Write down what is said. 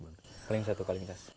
sekali satu kali nge charge